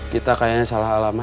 kita kayaknya salah alamat